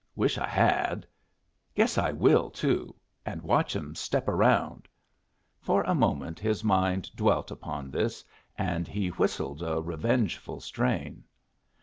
Wish I had. Guess I will, too, and watch 'em step around." For a moment his mind dwelt upon this, and he whistled a revengeful strain.